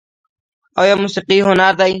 آیا موسیقي هنر دی؟